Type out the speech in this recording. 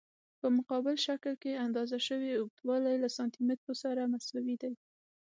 په مقابل شکل کې اندازه شوی اوږدوالی له سانتي مترو سره مساوي دی.